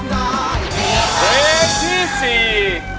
เพลงที่สี่